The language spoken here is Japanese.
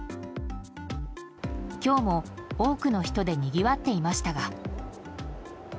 今日も、多くの人でにぎわっていましたが。